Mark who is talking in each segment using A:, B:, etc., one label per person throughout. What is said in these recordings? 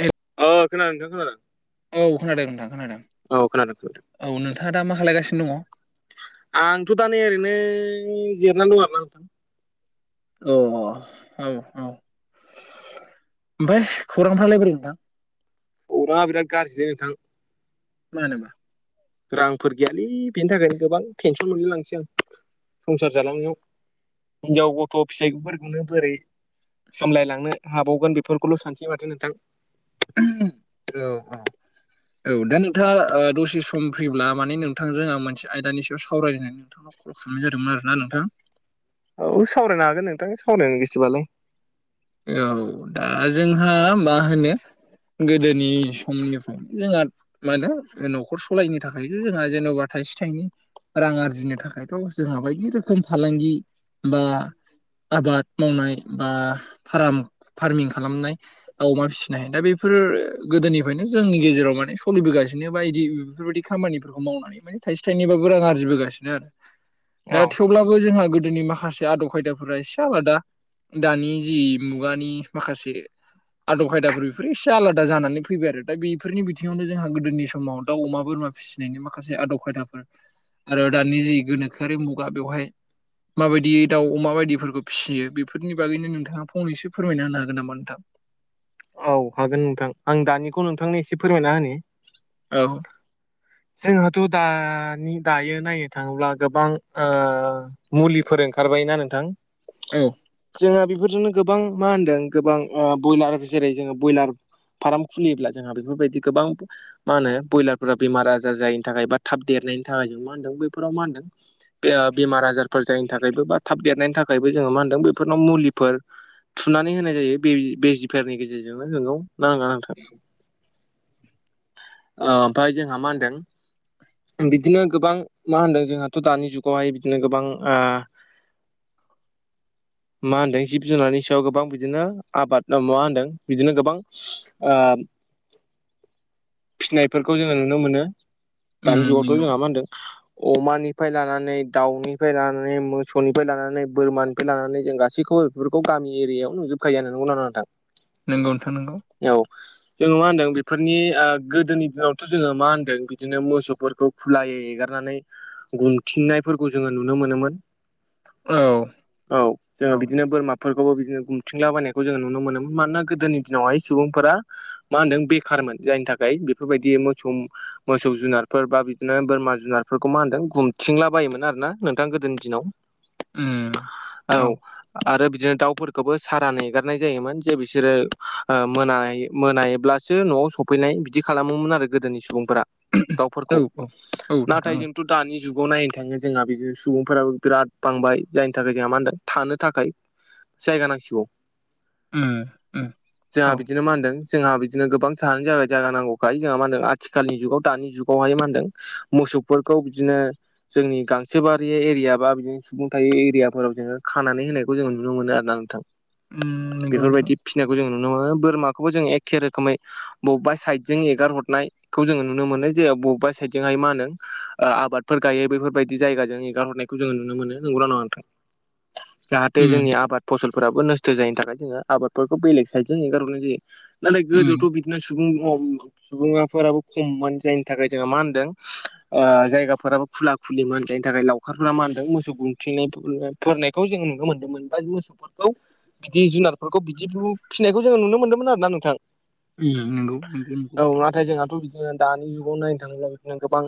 A: ए
B: अ खोनादो नोंथां खोनादों
A: औ खोनादों नोंथां खोनादों
B: औ खोनादों खोनादों
A: औ नोंथाङा दा मा खालायगासिनो दङ
B: आंथ' दा नै ओरैनो जिरनानै दंङ आरोना नोंथां
A: औ औ औ ओमफ्राय खौरांफ्रालाय बोरै नोंथां
B: खौराङा बिराद गाज्रिलै नोंथां
A: [unintelligible]
B: रांफोर गैयालै बेनि थाखायनो गोबां टेनसन मोनलाय लांसै आं संसार जालांनायाव। हिनजाव गथ' फिसाइफोरखौनो बोरै सामलायलांनो हाबावगोन बेफोरखौल' सानसै माथो नोंथां।
A: औ औ। औ दा नोंथाङा ओ दसे सम फ्रि ब्ला माने नोंथांजों आं मोनसे आयदानि सायाव सावरायनो साननाय जादोंमोन आरोना नोंथां।
B: औ सावरायनो हागोन नोंथां सावरायनो गोसोबालाय।
A: औ दा जोंहा मा होनो गोदोनि समनिफ्राय जोंहा। मा होनो न'खर सालायनो थाखायथ' जोंहा जेन'बा थाइसे थाइनै। रां आरजिनो थाखायथ' जोंहा बायदि रोखोम फालांगि बा। आबाद मावनाय बा फारम फार्मिं खालामनाय। दाउ अमा फिसिनो हायो दा बेफोर गोदोनिफ्रायनो जोंनि गेजेराव माने सोलिबोगासिनो बा इदि बेफोरबायदि। खामानिफोरखौ मावनानै माने थाइसे थाइनैबाबो रा आरजिबोगासिनो आरो। दा
B: औ
A: थेवब्लाबो जोंहा गोदोनि माखासे आदब खायदाफोरा एसे आलादा दानि जि। मुगानि माखासे। आदब खायदाफोर बेफोर एसे आलादा जानानै फैबाय आरो दा बेफोरनि बिथिङावनो जोंहा गोदोनि समाव दा अमा बोरमा फि। फिसिनायनि माखासे आदब खायदाफोर आरो दानि जि गोनोखोआरि मुगा बेवहाय माबायदि दाउ अमा बायदिफोरखौ फिसियो बेफोरनि बागैनो नोंथाङा फंनैसो फोरमायना होनो हागोन नामा नोंथां
B: औ हागोन नोंथां आं दानिखौ नोंथांनो एसे फोरमायना होनो।
A: औ।
B: जोंहाथ' दानि दायो नायनो थाङोब्ला गोबां ओ मुलिफोर ओंखारबाय ना नोंथां?
A: औ
B: जोंहा बेफोरजोंनो गोबां मा होनदों गोबां ब्रयलार जेरै जोङो ब्रयलार। फार्म खुलियोब्ला जोंहा बेफोरबायदि गोबां मा होनो ब्रयलारफोरा बेमार आजार। जायनि थाखाय बा थाब देरनायनि थाखायों मा होनदों बैफोराव मा होनदों बेमार आजार। फोर जायनि थाखायबो बा थाब देरनायनि थाखायबो जोङो मा होनदों बेफोरनाव मुलिफोर। फुनानै होनाय जायो बे बे जिफारनि गेजेरजोंनो नोंखौ नांगौ नांथार।
A: ओ।
B: ओमफ्राय जोंहा मा होनदों? बिदिनो गोबां मा होनदों जोंहाथ' दानि जुगावहाय बिदिनो गोबां ओ
A: [unintelligible] [inaudible]
B: मा होनदों जिब जुनारनि सायाव गोबां बिदिनो आबाद माबा होन्दों बिदिनो गोबां। ओ फिसिनायफोरखौ जोङो नुनो मोनो
A: उम
B: दानि जुगावथ'
A: नंगौ
B: जोंहा मा होनदों। अमानिफ्राय लानानै दाउनिफ्राय लानानै मोसौनिफ्राय लानानै बोरमानिफ्राय लानानै जों गासैखौबो। बेफोरखौ गामि एरियायाव नुजोबखायो नोंगौ ना, नङा नोंथां।
A: नोंगौथां नोंगौ।
B: औ जोङो मा होनदों बेफोरनि। गोदोनि दिनावथ' जोङो मा होनदों बिदिनो मोसौफोरखौ खुलायै एगारनानै। गुमथिंनायफोरखौ जोङो नुनो मोनोमोन।
A: औ
B: औ जोङो
A: औ
B: बिदिनो बोरमा। फोरखौबो बिदिनो गुमथिंला बनायखौ जोङो नुनो मोनोमोन मानोना गोदोनि दिनावहाय सुबुंफोरा। मा होनदों बेखारमोन जायनि थाखाय बेफोरबायदि मोसौ। मोसौ जुनारफोर बा बिदिनो बोरमा जुनारफोरखौ मा होनदों गुमथिंला बायोमोन आरोना नोंथां गोदोनि दिनाव।
A: उम
B: औ। आरो बिदिनो दाउफोरखौबो सारान एगारनाय जायोमोन जे बिसोरो मोन मोनायोब्ला सो न'आव सफैनाय बिदि खालामोमोन आरो गोदोनि सुबुंफोरा।
A: औ
B: दावफोरखौ
A: औ नोंथां
B: नाथाय
A: औ
B: जोंथ' दानि जुगाव नायनो थाङो जोंहा बिदिनो सुबुंफोराबो बिराद बांबाय जायनि थाखाय जोंहा मा होनदों थानो थाखाय। जायगा नांसिगौ।
A: उम उम
B: जोंहा
A: औ
B: बिदिनो मा होनदों जोंहा बिदिनो गोबां सानो जाबाय। जायगा नांगौखाय जोंहा मा होनदों आथिखालनि जुगाव दानि जुगावहाय मा होनदों मोसौफोरखौ बिदिनो। जोंनि गांसोबारि एरिया बा बिदिनो सुबुं थ एरियाफोराव जोङो खानानै होनाय। जों नुनो मोनो आरोना नोंथां।
A: उम नंगौ नोंथां
B: बेफोरबायदि फिसिनायखौ जों नुनो मोनो बोरमाखौबो जों एखे रोखोमै बबेबा। साइडजों एगार हरनाय खौ जोङो नुनो मोनो जे बबेबा साइद जोंहाय मा होनो आबादफोर गायो बेफोरबायदि जायगाजों एगारहरनाय। खौ जोङो नुनो मोनो नोंगौना नङा नोंथां जाहाथे
A: उम
B: जोंनि आबाद फसल फोराबो नस्थ' जायनि थाखाय जोङो आबादफोरखौ बेलेग साइड जों एंगार हरनाय जायो नाथाय
A: उम
B: गोदोआवथ' बिदिनो सुबुं सुबङाफोराबो खममोन जायनि थाखाय जोंहा मा होनदों जायगाफोराबो खुला खुलि मनि थाखाय लावखारफोरा मा होनदों मोसौ गुमथिंनाय फोरखौ जों नुनो मोनदोंमोन बा मोसौ फोरखौ बिदि जुनारफोरखौ बिदि फिसिनायखौ जोङो नुनो मोन्दोंमोन आरो ना नोंथां
A: उम नोंगौ
B: औ नाथाय जोंहाथ' बिदिनो दानि जुगाव नायनो थाङोब्ला बिदिनो गोबां।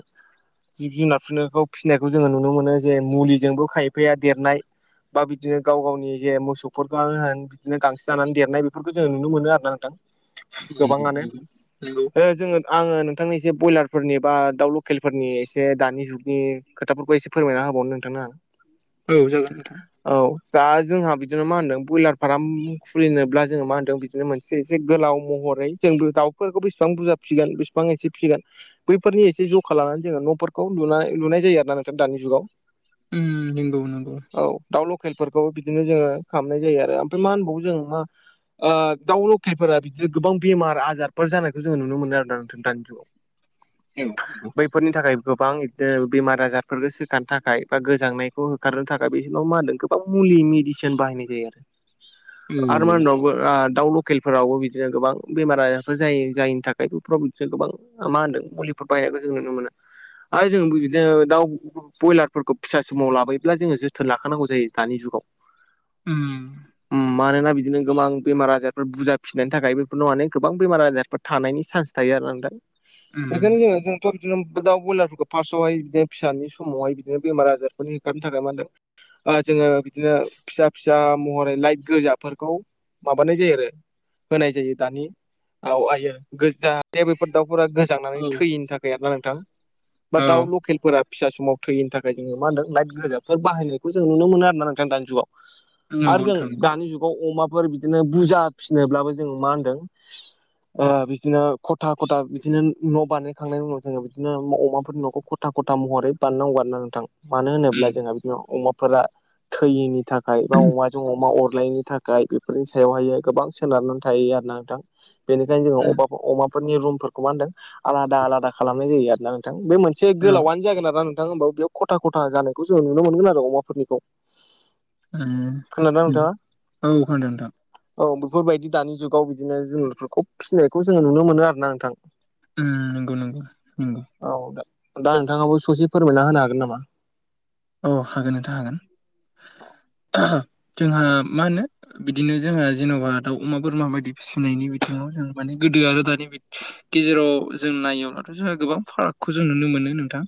B: जिब जुनारखौ फिसिनायखौ जोङो नुनो मोनो जे मुलिजोंबो खायफाया देरनाय। बा बिदिनो गाव गावनि जे मोसौफोरखौ [unintelligible] बिदिनो गांसो जानानै देरनाय बेफोरखौ जोङो नुनो मोनो आरो ना नोंथां
A: उम
B: गोबाङानो
A: उम नोंगौ
B: जोङो आङो नोंथांनि एसे ब्रयलारफोरनि बा दाउ लकेलफोरनि एसे दानि जुगनि खोथाफोरखौ एसे फोरमायना होबावनो नोंथां ना
A: औ जागोन नोंथां
B: औ दा जोंहा बिदिनो मा होनदों ब्रयलार फार्म खुलिनोब्ला जोङो मा होनदों बि बिनो मोनसे एसे गोलाव महरै जोंबो दाउफोरखौ बेसेबां बुरजा फिसिगोन बेसेबां एसे फिसिगोन बैफोरनि एसे जखा लानानै जोङो न'फोरखौ लुनाय लुनाय जायो आरो ना नोंथां दानि जुगाव
A: उ नंगौ नंगौ
B: औ दाउ लकेलफोरखौबो बिदिनो जोङो खालामनाय जायो आरो ओमफ्राय मा होनबावो जों मा दाउ लखेलफोरा बिदिनो गोबां बेमार आजार फोर जानायखौ जोङो नुनो मोनो आरोना नोंथां दानि
A: औ
B: जुगाव
A: नंगौ
B: बैफोरनि थाखाय गोबां बिदिनो बेमार आजारफोरफोरखौ सोखानो थाखाय बा गोजांनायखौ होखारनो थाखाय बे समाव मा नों बा मुलि मेडिसिन बाहायनाय जायो आरो
A: औ
B: आरो मा होनावबो दाउ लकेलफोरावबो बिदिनो गोबां बेमारा बो जायो जायनि थाखाय पबिफोराव गोबां मा होनदों मुलि बायनायखौ जों नुनो मोनो आरो जों बिदिनो दाउ ब्रयलारफोरखौ फिसा समाव लाबोयोब्ला जोङो जोथोन लाखानांगौ जायो दानि जुगाव
A: उम
B: ऊम मानोना बिदिनो गोबां बेमार आजारफोर बुरजा फिसिनायनि थाखाय बेफोर नो माने गोबां बेमार आजारफोर थानायनि चान्स थायो आरो नोंथां
A: उम
B: बेखायनो जोङो थ' बिदिनो दाउ ब्रयलारफोरखौ फार्स्टआवहाय बिदिनो फिसानि समावहाय बिदिनो बेमार आजारखौनो होखारनो थाखाय मा होनदों ओ जोङो बिदिनो फिसा फि दा महरै लाइट गोजाफोरखौ माबानाय जायो आरो होनाय जायो दानि औ आइय गो जाहाथे बेफोर दाउफोरा गोजांनानै
A: औ
B: थैयैनि थाखाय आरोना नोंथां बि
A: औ
B: दाउ लखेलफोरुरा फिसा समाव थैयैनि थाखाय जोंङो मा होनदों लाइट गोजाफोर बाहायनायखौ जों नुनो मोनो आर ना नोंथां दानि जुगाव। आरो
A: नंगौ
B: जों
A: नोंथां नंगौ
B: दानि जुगाव अमाफोर बिदिनो बुरजा फिनोब्लाबो जों मा होन्दों ओ बिदिनो खथा खथा बिदिनो न' बानायखांनायनि उनाव जोंङो बिदिनो अमाफोरनि न'खौ खथा खथ महरै बाननांगौ आरो ना नोंथां। मानो होनोब्ला जोंहा बिदिनो अमाफोरा थैयिनि थाखाय बा अमाजों अमा अरलायैनि थाखाय। गाय बेफोरनि सायावहायो गोबां सोनारनानै थायो आर ना नोंथां बेनिखायनो जोङो
A: उम
B: अबा अमाफोरनि रुमफोरखौ मा होनदों आलादा आलादा खालामनाय जायो आरोना होन थां बे मोनसे
A: औ
B: गोलावानो जागोन आरो नोंथां होनबा बेयाव खथा खथा जानायखौ जोंङो नुनो मोनगोन आरो अमाफोरनिखौ खोनादोंना नोंथाङा
A: औ खोनदो नोंथां
B: औ बेफोरबायदि दानि जुगाव बिदिनो जुनुरफोरखौ फिसिनायखौ जोङो नुनो मोनो आरो ना नोंथां
A: उम नंगौ नंगौ नंगौ
B: औ दे। दा नोंथाङाबो ससे फोरमायना होनो हागोन नामा?
A: औ हागोन नोंथां हागोन। जोंहा मा होनो बिदिनो जोंहा जेन'बा दाउ अमा बोरमा बायदि फिसिनायनि बिथिङाव जों माने गोदो आरो दानि बि गेजेराव जों नायोब्लाथ' जोंहा गोबां फारागखौ जों नुनो मोनो नोंथां।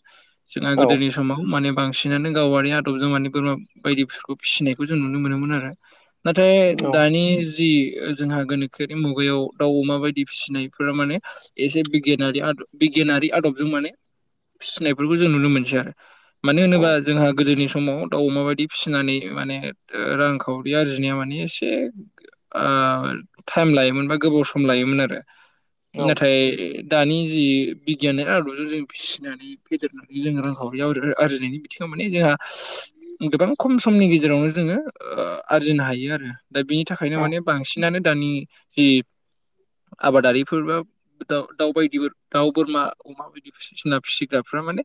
A: जोंहा
B: औ
A: गोदोनि समाव माने बां सिनानो गावआारि आदब जों मानि बोरमा बायदिफोरखौ फिसिनायखौ जों नुनो मोनोमोन आरो। नाथाय
B: औ
A: दानि जि जोंहा गोनोखोआरि मुगायाव दाउ अमा बायदि फिसिनायफोरा माने एसे बिगियानारि आदब जों बिगियानारि आदबजों माने फिसिनायफोरखौ जों नुनो मोनसै आरो मानो होनोब बा
B: औ
A: जोंहा गोदोनि समाव दाउ अमााबायदि फिसिनानै माने ओ रांखावरि आरजिनाया माने एसे टाइम लायोमोन बा गोबाव सम लायोमोन आरो
B: औ
A: नाथाय दानि जि बिगियाननि आदबजों जों फिसिनानै फेदेरनानै जों रांखावरि आरजिनायनि [unintelligible] माने जोंहा गोबां खम समनि गेजेरावनो जोंङो आरजिनो हायो आरो दा बिनि थाखायनो
B: औ
A: माने बांसिनानो दानि जि आबादारिफोर बो दाउ दाउ बायदिबो दाउ मोरमि अमा बायदि जुनार फिसिग्राफोरा माने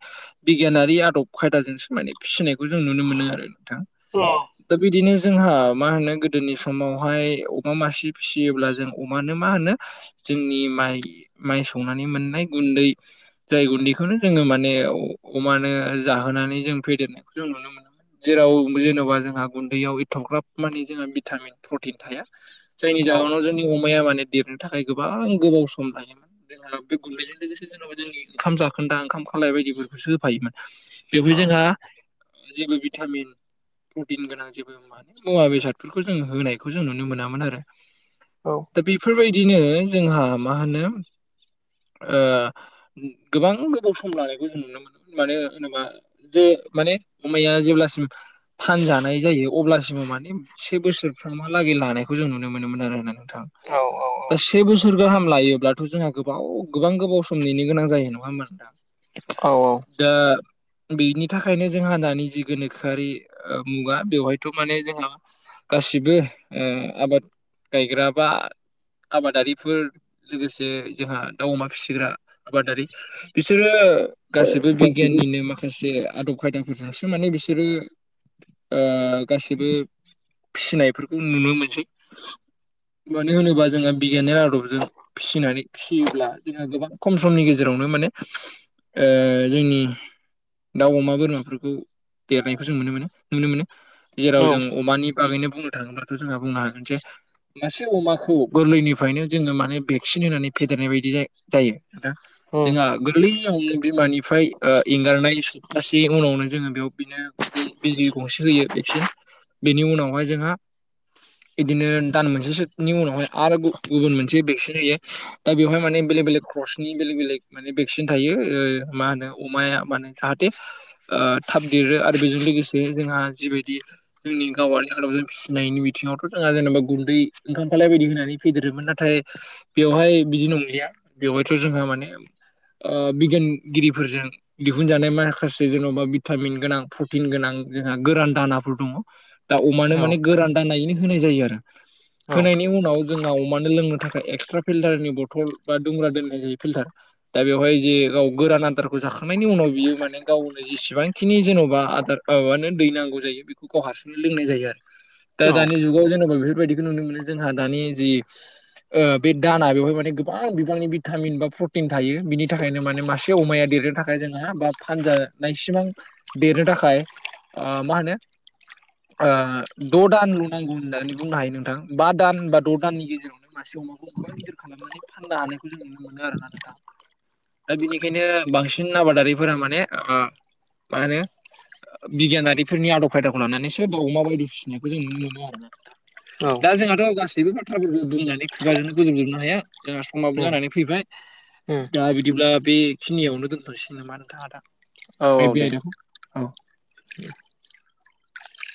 A: बिगियानारि आदब खायदा [unintelligible] जों समोमायनाय फिसिनायखौ जों नुनो मोनो आरो नोंथां।
B: अ
A: दा बिदिनो जोंहा मा होनो गोदोनि समावहाय अमा मासे फिसियोब्ला जों अमानो मा होनो जोंनि माइ माइ सौनानै मोननाय गुन्दै जाय गुन्दैखौनो जोंङो माने अमानो जाहोनानै जों फेदेरनायखौ जों नुनो मोनो। जेराव [unintelligible] जोंहा गुन्दैयाव एथ'ग्राब माने जोंहा भिटामिन प्रटिन थाया। जायनि जाहोनाव जोंनि अमाया माने देरनो थाखाय गोबां गोबाव सम लायोमोन। जोंहा बे गुन्दैजों लोगोसे जेन'बा जोंनि ओंखाम जाखोन्दा ओंखाम खालाय बायदिफोरखौसो होफायोमोन। बेवहाय जोंहा जेबो भिटामिन प्रटिन गोनां जेबो माने मुवा बेसादफोरखौ जों होनायखौ जों नुनो मोनामोन आरो
B: औ
A: दा बेफोरबायदिनो जोंहा मा होनो गोबां गोबाव सम लानायखौ जों नुनो मोनो मान होनोबा जे माने अमाया जेब्लासिम फानजानाय जायो अब्लासिम माने से बोसोरफ्रा महालागै लानायखौ जों नुनो मोनोमोन आरो होनना
B: औ
A: नोंथां। [unintelligible] से बोसोर गाहाम लायोब्लाथ' जोंहा गोबाव गोबां गोबाव सम नेनो गोनां जायो नङा होमबा नोंथां।
B: औ औ।
A: दा बेनि थाखायनो जोंहा दानि जि गोनोखोआरि ओ मुगा बेवहायथ' माने जोंहा गासिबो आबाद गायग्रा बा आबादारिफोर लोगोसे जोंहा दाउ अमा फिसिग्रा आबादारि बिसोरो गासिबो बिगियाननिनो माखा खासे आदब खायदाफोरजोंसो माने बिसोरो ओ गासिबो फिसिनायफोरखौ नुनो मोनसै मानो होनोबा जोंहा बिगियाननि आदबजों फिसिनानै फिसियोब्ला जोंहा गोबां खम समनि गेजेरावनो माने जोंनि दाउ अमा बोरमाफोरखौ देरनायखौ जों नुनो मोनो नुनो मोनो जेराव जों अमानि बागैनो बुंनो थाङोब्लाथ' जोंहा बुंनो हागोन जे मासे अमाखौ गोरलैनिफ्रायनो जोंङो माने भेक्सिन होनानै फेदेरनाय बायदि जायो नोंथां। जोंहा गोरलैयावनो बिमानिफ्राय एंगारनाय सफथासे उनावनो जोंङो बेयाव बिनो बिजि गंसे होयो भेक्सिन। बेनि उनावहाय जोंहा बिदिनो दान मोनसेसोनि उनावहाय आरो गुबुन मोनसे भेक्सिन होयो। दा बेवहाय माने बेलेक बेलेग क्रसनि बेलेग बेलेग माने भेक्सिन थायो ओ मा होनो अमाया माने जाहाथे ओ थाब देरो आरो बेजों लोगोसे जोंहा जिबायदि जोंनि गाववारि आदबजों फिसिनायनि बिथिङावथ' जोंहा जेनेबा गुन्दै ओंखाम खालाय बायदि होनानै फेदेरोमोन नाथाय बेवहाय बिदि नंलिया बेवहायथ' जोंहा माने ओ बिगियानगिरिफोरजों बुनजानाय माखासे जेन'बा भिटामिन गोनां प्रटिन गोनां जोंहा गोरान दानाफोर दङ। दा अमानो माने गोरान दानायैनो होनाय जायो आरो होनायनि उनाव जोंहा अमानो लोंनो थाखाय एक्सट्रा फिल्टारनि बथल बा दुंग्रा दोननाय जायो फिल्टार। दा बेवहाय जे गाव गोरान आदारखौ जाखांनायनि उनाव बियो माने गावनो जेसेबांखिनि जेन'बा आदार औ मानो दै नांगौ जायो बेखौ हारसिंनो लोंनाय जायो आरो। दा
B: औ
A: दानि जुगाव जेनेबा बेफोरबायाददिखौ नुनो मोनो जोंहा दानि जि ओ बे दाना बेवहाय माने गोबां बिबांनि भिटामिन बा प्रटिन थायो बिनि थाखायनो माने मासे अमाया देरनो था खाय जोंहा बा फानजानायसिबां देरनो थाखाय ओ मा होनो ओ द' दानल' नांगौ होननानै बुंनो हायो नोंथां बा दान बा द' दाननि गेजेरावनो मासे अमाखौ गोबां गिदिर खालामनानै फाननो हानायखौ जों नुनो मोनो आरो ना नोंथां। दा बिनिखायनो बांसिन आबादारिफोरा माने ओ मा होनो बिगियानारिफोरनि आदब खायदाखौ लानानैसो दाउ अमा बायदि फिसिनायखौ जों नुनो मोनो आरोना नोंथां। दा जोंहाथ' गासैबो बाथ्राफोरखौ बुंनानै खुगाजोंनो फोजोबजोबनो हाया। जोंहा समाबो जानानै फैबाय दा बिदिब्ला बेखिनियावनो दोनथ'नोसै नामा थां आदा
B: औ औ दे
A: बे आयदाखौ। औ